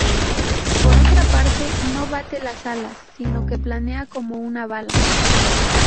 Por otra parte, no bate las alas, sino que planea como una bala.